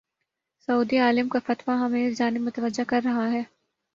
سعودی عالم کا فتوی ہمیں اس جانب متوجہ کر رہا ہے۔